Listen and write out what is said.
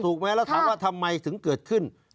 ไหมแล้วถามว่าทำไมถึงเกิดขึ้น